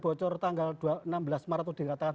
bocor tanggal enam belas maret itu dikatakan